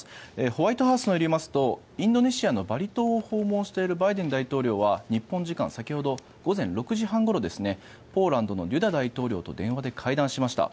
ホワイトハウスによりますとインドネシアのバリ島を訪問しているバイデン大統領は日本時間先ほど午前６時半ごろポーランドのドゥダ大統領と電話で会談しました。